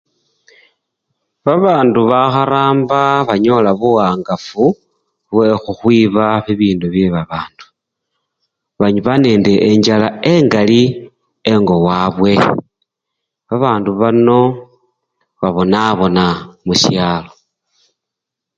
Babandu bakharambaa banyola buwangafu bwekhukhwiba bibindu byebabandu, baliba nende enjjala engali engo wabwe, babandu bano babonabona mushalo.